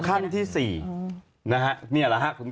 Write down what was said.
ขั้นที่๔